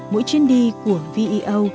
mỗi chuyến đi của veo